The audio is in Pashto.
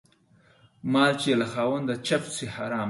مال چې له خاونده چپ سي حرام دى.